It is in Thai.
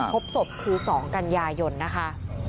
ครับพบศพคือ๒กัญญายนนะคะ